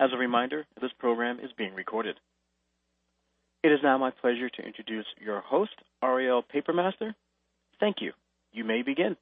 As a reminder, this program is being recorded. It is now my pleasure to introduce your host, Ariel Papermaster. Thank you. You may begin.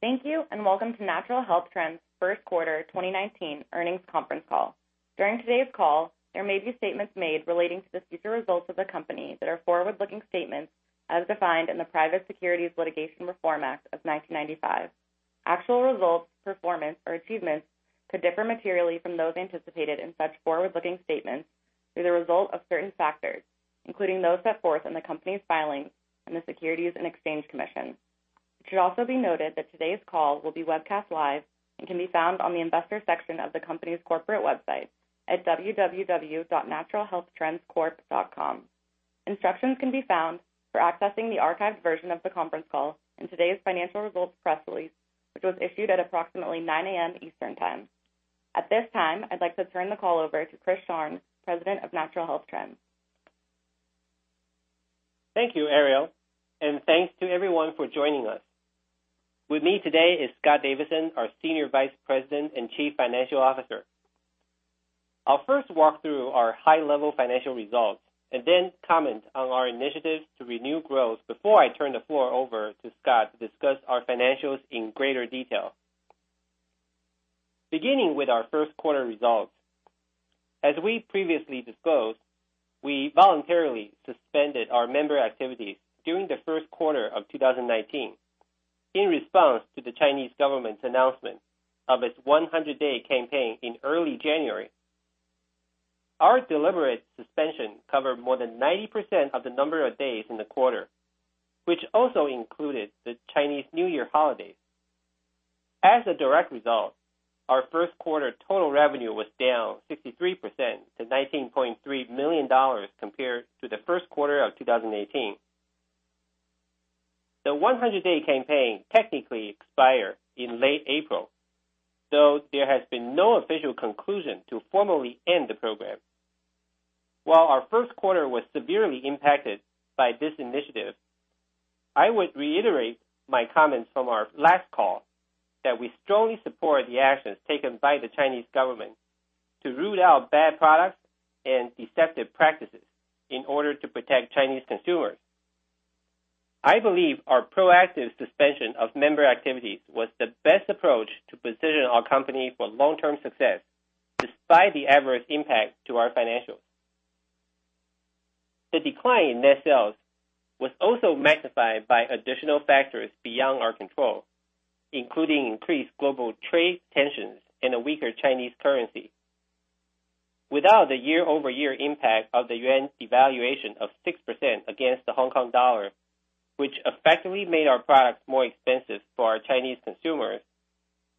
Thank you. Welcome to Natural Health Trends' first quarter 2019 earnings conference call. During today's call, there may be statements made relating to the future results of the company that are forward-looking statements as defined in the Private Securities Litigation Reform Act of 1995. Actual results, performance, or achievements could differ materially from those anticipated in such forward-looking statements as a result of certain factors, including those set forth in the company's filings in the Securities and Exchange Commission. It should also be noted that today's call will be webcast live and can be found on the investors section of the company's corporate website at www.naturalhealthtrendscorp.com. Instructions can be found for accessing the archived version of the conference call in today's financial results press release, which was issued at approximately 9:00 A.M. Eastern Time. At this time, I'd like to turn the call over to Chris Sharng, President of Natural Health Trends. Thank you, Ariel. Thanks to everyone for joining us. With me today is Scott Davidson, our Senior Vice President and Chief Financial Officer. I'll first walk through our high-level financial results and then comment on our initiatives to renew growth before I turn the floor over to Scott to discuss our financials in greater detail. Beginning with our first quarter results. As we previously disclosed, we voluntarily suspended our member activities during the first quarter of 2019 in response to the Chinese government's announcement of its 100-day campaign in early January. Our deliberate suspension covered more than 90% of the number of days in the quarter, which also included the Chinese New Year holidays. As a direct result, our first quarter total revenue was down 63% to $19.3 million compared to the first quarter of 2018. The 100-day campaign technically expired in late April, though there has been no official conclusion to formally end the program. While our first quarter was severely impacted by this initiative, I would reiterate my comments from our last call that we strongly support the actions taken by the Chinese government to root out bad products and deceptive practices in order to protect Chinese consumers. I believe our proactive suspension of member activities was the best approach to position our company for long-term success despite the adverse impact to our financials. The decline in net sales was also magnified by additional factors beyond our control, including increased global trade tensions and a weaker Chinese currency. Without the year-over-year impact of the yuan's devaluation of 6% against the HKD, which effectively made our products more expensive for our Chinese consumers,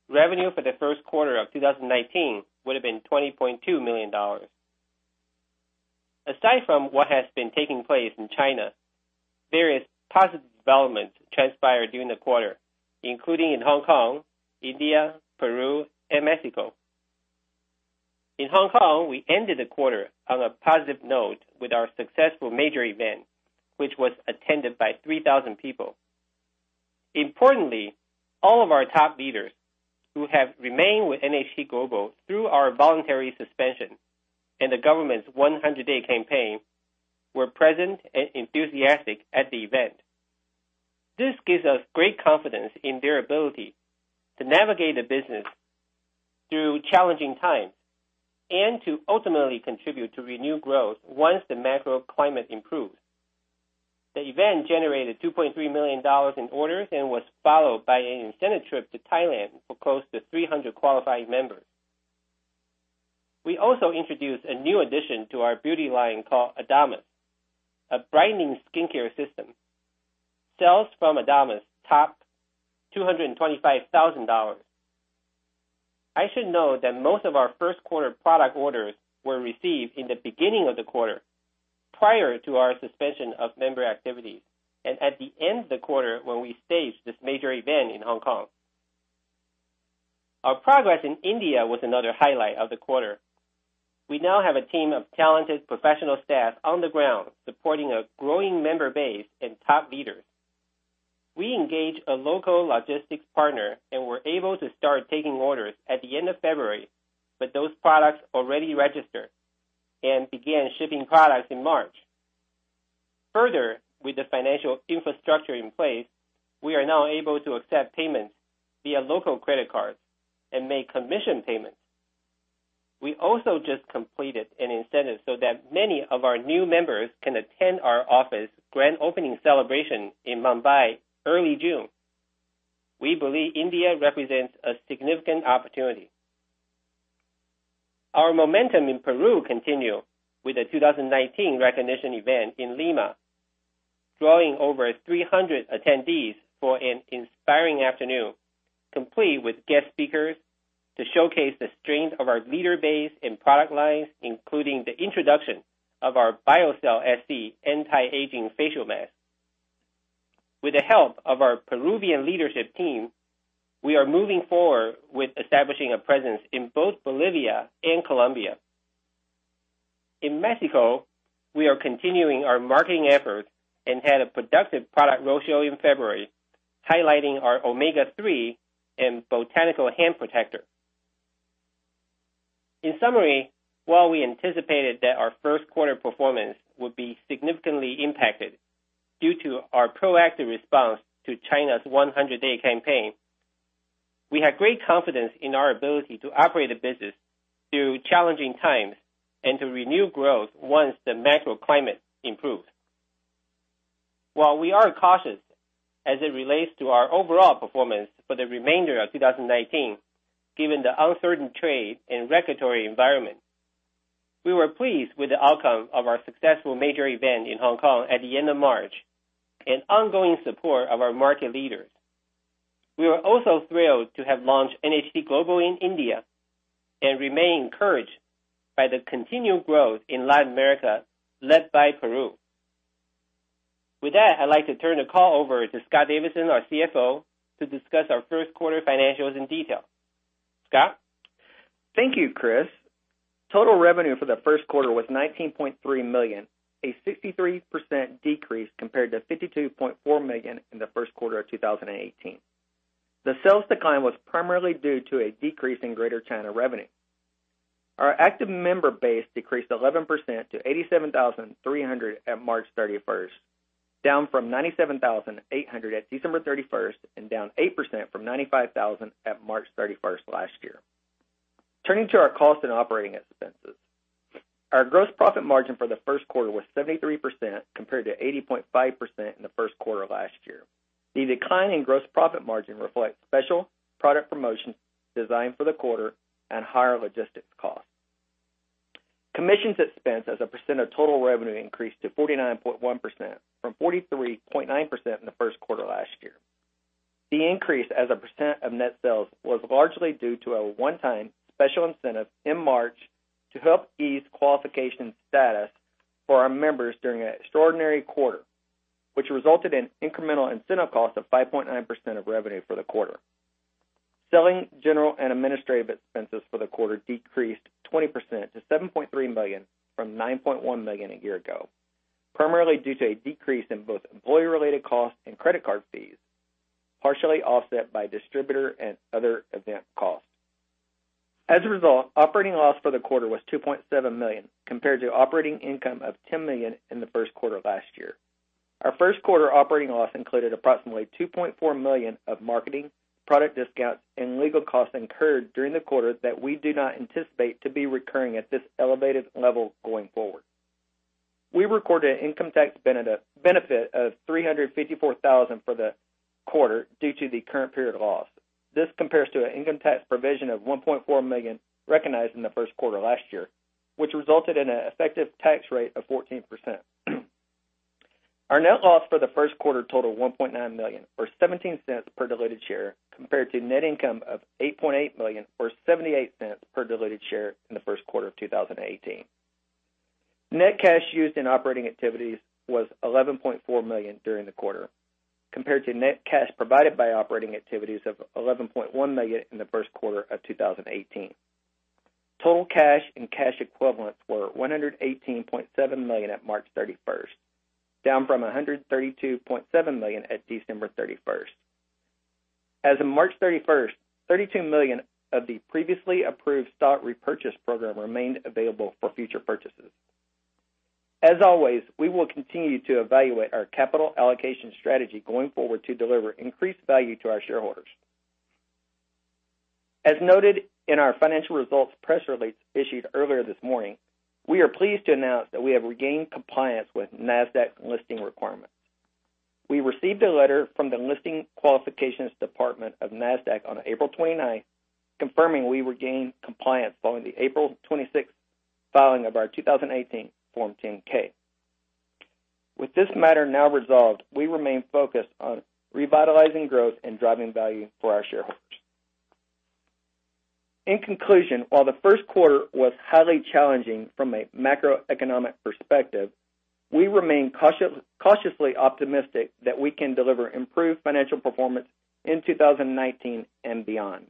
revenue for the first quarter of 2019 would have been $20.2 million. Aside from what has been taking place in China, various positive developments transpired during the quarter, including in Hong Kong, India, Peru, and Mexico. In Hong Kong, we ended the quarter on a positive note with our successful major event, which was attended by 3,000 people. Importantly, all of our top leaders who have remained with NHT Global through our voluntary suspension and the government's 100-day campaign were present and enthusiastic at the event. This gives us great confidence in their ability to navigate the business through challenging times and to ultimately contribute to renewed growth once the macro climate improves. The event generated $2.3 million in orders and was followed by an incentive trip to Thailand for close to 300 qualified members. We also introduced a new addition to our beauty line called Adamas, a brightening skincare system. Sales from Adamas topped $225,000. I should note that most of our first quarter product orders were received in the beginning of the quarter, prior to our suspension of member activities, and at the end of the quarter, when we staged this major event in Hong Kong. Our progress in India was another highlight of the quarter. We now have a team of talented professional staff on the ground supporting a growing member base and top leaders. We engaged a local logistics partner and were able to start taking orders at the end of February with those products already registered and began shipping products in March. With the financial infrastructure in place, we are now able to accept payments via local credit cards and make commission payments. We also just completed an incentive so that many of our new members can attend our office grand opening celebration in Mumbai early June. We believe India represents a significant opportunity. Our momentum in Peru continued with a 2019 recognition event in Lima, drawing over 300 attendees for an inspiring afternoon, complete with guest speakers to showcase the strength of our leader base and product lines, including the introduction of our BioCell SC anti-aging facial mask. With the help of our Peruvian leadership team, we are moving forward with establishing a presence in both Bolivia and Colombia. In Mexico, we are continuing our marketing efforts and had a productive product roadshow in February highlighting our Omega-3 and Botanical Hand Protector. In summary, while we anticipated that our first quarter performance would be significantly impacted due to our proactive response to China's 100-day campaign, we have great confidence in our ability to operate the business through challenging times and to renew growth once the macro climate improves. While we are cautious as it relates to our overall performance for the remainder of 2019, given the uncertain trade and regulatory environment, we were pleased with the outcome of our successful major event in Hong Kong at the end of March and ongoing support of our market leaders. We were also thrilled to have launched NHT Global in India and remain encouraged by the continued growth in Latin America, led by Peru. With that, I'd like to turn the call over to Scott Davidson, our CFO, to discuss our first quarter financials in detail. Scott? Thank you, Chris. Total revenue for the first quarter was $19.3 million, a 63% decrease compared to $52.4 million in the first quarter of 2018. The sales decline was primarily due to a decrease in Greater China revenue. Our active member base decreased 11% to 87,300 at March 31st, down from 97,800 at December 31st, and down 8% from 95,000 at March 31st last year. Turning to our cost and operating expenses. Our gross profit margin for the first quarter was 73% compared to 80.5% in the first quarter of last year. The decline in gross profit margin reflects special product promotions designed for the quarter and higher logistics costs. Commissions expense as a percent of total revenue increased to 49.1% from 43.9% in the first quarter last year. The increase as a percent of net sales was largely due to a one-time special incentive in March to help ease qualification status for our members during an extraordinary quarter, which resulted in incremental incentive costs of 5.9% of revenue for the quarter. Selling, general, and administrative expenses for the quarter decreased 20% to $7.3 million from $9.1 million a year ago, primarily due to a decrease in both employee-related costs and credit card fees, partially offset by distributor and other event costs. As a result, operating loss for the quarter was $2.7 million, compared to operating income of $10 million in the first quarter last year. Our first quarter operating loss included approximately $2.4 million of marketing, product discounts, and legal costs incurred during the quarter that we do not anticipate to be recurring at this elevated level going forward. We recorded an income tax benefit of $354,000 for the quarter due to the current period loss. This compares to an income tax provision of $1.4 million recognized in the first quarter last year, which resulted in an effective tax rate of 14%. Our net loss for the first quarter totaled $1.9 million, or $0.17 per diluted share, compared to net income of $8.8 million or $0.78 per diluted share in the first quarter of 2018. Net cash used in operating activities was $11.4 million during the quarter, compared to net cash provided by operating activities of $11.1 million in the first quarter of 2018. Total cash and cash equivalents were $118.7 million at March thirty-first, down from $132.7 million at December thirty-first. As of March thirty-first, $32 million of the previously approved stock repurchase program remained available for future purchases. As always, we will continue to evaluate our capital allocation strategy going forward to deliver increased value to our shareholders. As noted in our financial results press release issued earlier this morning, we are pleased to announce that we have regained compliance with Nasdaq listing requirements. We received a letter from the Listing Qualifications Department of Nasdaq on April twenty-ninth, confirming we regained compliance following the April twenty-sixth filing of our 2018 Form 10-K. With this matter now resolved, we remain focused on revitalizing growth and driving value for our shareholders. In conclusion, while the first quarter was highly challenging from a macroeconomic perspective, we remain cautiously optimistic that we can deliver improved financial performance in 2019 and beyond.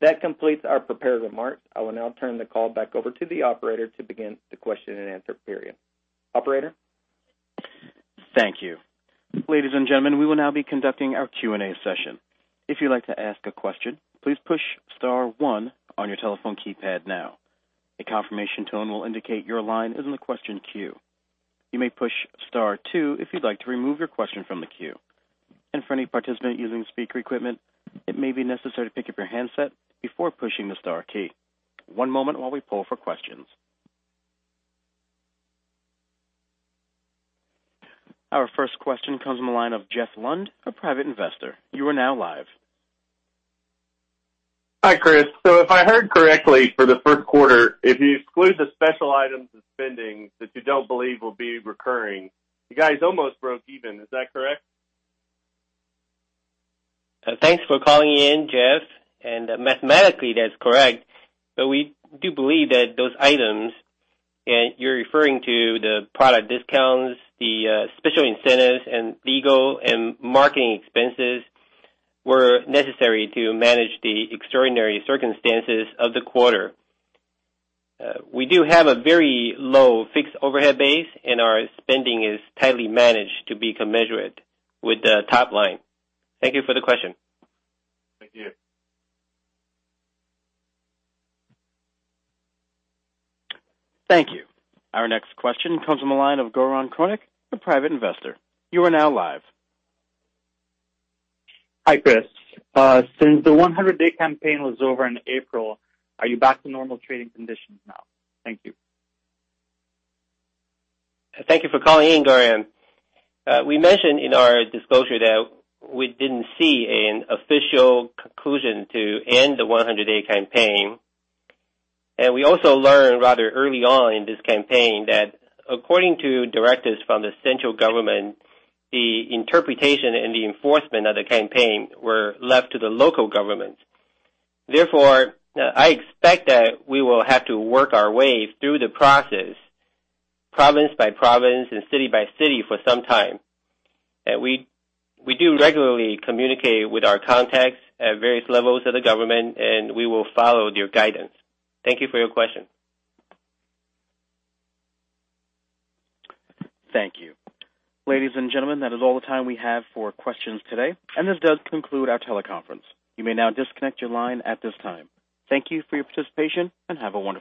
That completes our prepared remarks. I will now turn the call back over to the operator to begin the question and answer period. Operator? Thank you. Ladies and gentlemen, we will now be conducting our Q&A session. If you'd like to ask a question, please push star one on your telephone keypad now. A confirmation tone will indicate your line is in the question queue. You may push star two if you'd like to remove your question from the queue. For any participant using speaker equipment, it may be necessary to pick up your handset before pushing the star key. One moment while we poll for questions. Our first question comes from the line of Jeff Lund, a private investor. You are now live. Hi, Chris. If I heard correctly, for the first quarter, if you exclude the special items of spending that you don't believe will be recurring, you guys almost broke even. Is that correct? Thanks for calling in, Jeff, Mathematically that's correct. We do believe that those items, and you're referring to the product discounts, the special incentives, and legal and marketing expenses, were necessary to manage the extraordinary circumstances of the quarter. We do have a very low fixed overhead base, and our spending is tightly managed to be commensurate with the top line. Thank you for the question. Thank you. Thank you. Our next question comes from the line of Goran Kronik, a private investor. You are now live. Hi, Chris. Since the 100-day campaign was over in April, are you back to normal trading conditions now? Thank you. Thank you for calling in, Goran. We mentioned in our disclosure that we didn't see an official conclusion to end the 100-day campaign. We also learned rather early on in this campaign that according to directives from the central government, the interpretation and the enforcement of the campaign were left to the local government. Therefore, I expect that we will have to work our way through the process province by province and city by city for some time. We do regularly communicate with our contacts at various levels of the government, and we will follow their guidance. Thank you for your question. Thank you. Ladies and gentlemen, that is all the time we have for questions today. This does conclude our teleconference. You may now disconnect your line at this time. Thank you for your participation, and have a wonderful day.